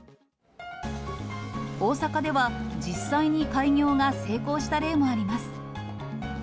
大阪では、実際に開業が成功した例もあります。